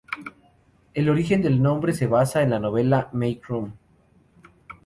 El origen del nombre se basa en la novela "Make Room!